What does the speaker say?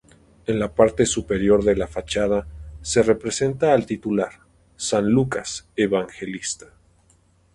En la parte superior de la fachada se representa al titular, San Lucas Evangelista.